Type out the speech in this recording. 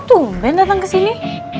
tumben datang ke sini